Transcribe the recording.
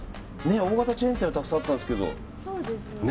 大型チェーン店はたくさんあったんですけど。